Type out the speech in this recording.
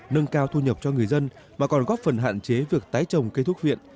nâng cao thu nhập cho người dân mà còn góp phần hạn chế việc tái trồng cây thuốc viện